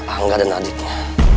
angga dan adiknya